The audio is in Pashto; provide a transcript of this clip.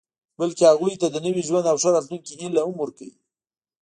بلکې هغوی ته د نوي ژوند او ښه راتلونکي هیله هم ورکوي